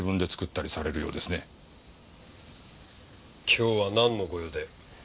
今日はなんのご用で？